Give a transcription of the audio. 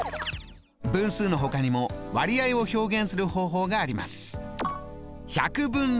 分数のほかにも割合を表現する方法があります。